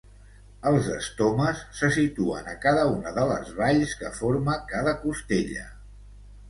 Els estomes se situen a cada una de les valls que forma cada costella.